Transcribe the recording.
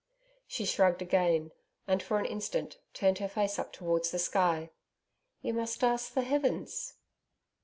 She shrugged again, and for an instant turned her face up towards the sky. 'You must ask the heavens?'